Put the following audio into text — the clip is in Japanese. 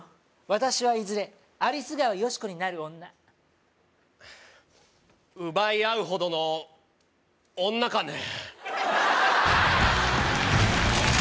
私はいずれアリスガワヨシコになる女奪い合うほどの女かね？